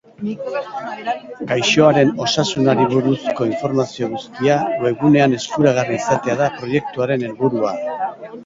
Gaixoaren osasunari buruzko informazio guztia webgunean eskuragarri izatea da proiektuaren helburua.